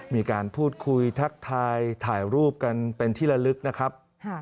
มีการพูดคุยทักทายถ่ายรูปกันเป็นที่ละลึกนะครับ